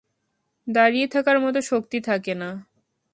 দাঁড়িয়ে থাকার মত শক্তি থাকে না।